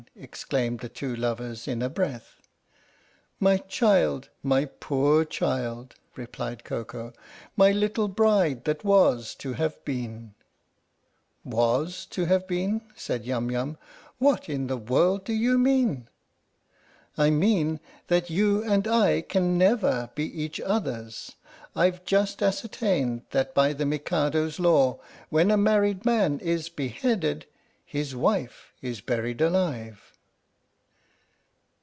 exclaimed the two lovers in a breath. " My child my poor child," replied Koko " my little bride that was to have been !"" Was to have been?" said Yum Yum. "What in the world do you mean?" " I mean that you and I can never be each other's. I've just ascertained that by the Mikado's law, when a married man is beheaded, his wife is buried alive